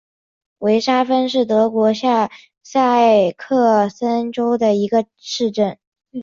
维沙芬是德国下萨克森州的一个市镇。